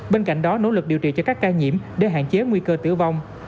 bên cạnh đó nỗ lực điều trị cho các ca nhiễm để hạn chế nguy cơ tử vong